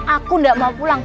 aku tidak mau pulang